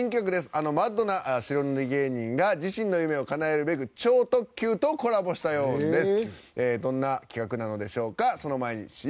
あのマッドな白塗り芸人が自身の夢をかなえるべく超特急とコラボしたようです。